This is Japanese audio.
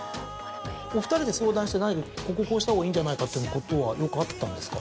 お２人で相談してここをこうしたほうがいいんじゃないかってことはよくあったんですか？